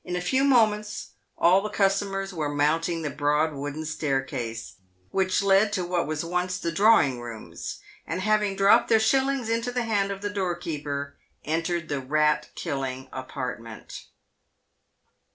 In a few moments all the customers were mounting the broad wooden staircase, which led to what was once the drawing rooms, and having dropped their shillings into the hand of the doorkeeper, entered the rat killing apartment.